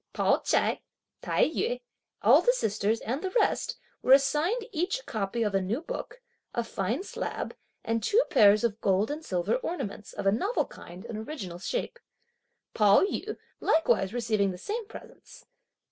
Pao ch'ai, Tai yü, all the sisters and the rest were assigned each a copy of a new book, a fine slab and two pair of gold and silver ornaments of a novel kind and original shape; Pao yü likewise receiving the same presents.